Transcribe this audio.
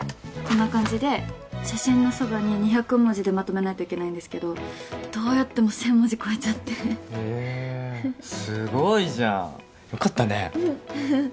こんな感じで写真のそばに２００文字でまとめないといけないんですけどどうやっても１０００文字超えちゃってへえすごいじゃんよかったねうん